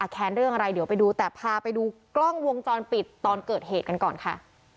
แค้นเรื่องอะไรเดี๋ยวไปดูแต่พาไปดูกล้องวงจรปิดตอนเกิดเหตุกันก่อนค่ะ